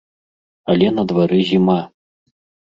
Але на двары зіма!